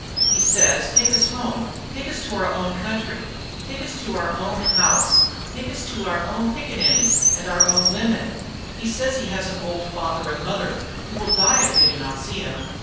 He says, 'Take us home, take us to our own country, take us to our own house, take us to our own pickaninnies and our own women.' He says he has an old father and mother who will die if they do not see him.